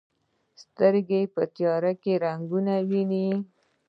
سترګې په تیاره رنګونه ویني.